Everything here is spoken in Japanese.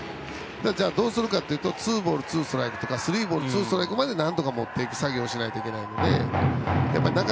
じゃあ、どうするかというとツーボール、ツーストライクとかスリーボール、ツーストライクになんとか持っていく作業をしないといけないので。